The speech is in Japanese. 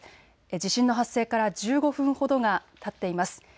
地震の発生から１５分ほどがたっています。